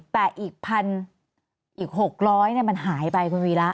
แต่อีก๖๐๐มันหายไปคุณวีระ